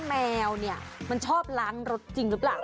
แมวเนี่ยมันชอบล้างรถจริงหรือเปล่า